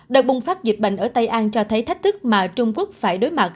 đợt bùng phát dịch bệnh ở tây an cho thấy thách thức mà trung quốc phải đối mặt